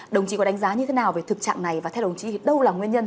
đồng chí có đánh giá như thế nào về thực trạng này và theo đồng chí đâu là nguyên nhân